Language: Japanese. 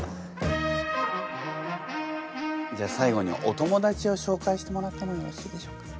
じゃあ最後にお友達をしょうかいしてもらってもよろしいでしょうか？